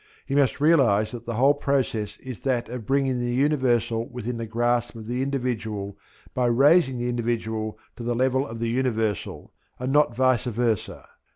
He must realize that the whole process is that of bringing the universal within the grasp of the individual by raising the individual to the level of the universal and not vice versa.